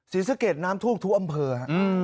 สีสะเกดน้ำทุกทุกอำเภอครับ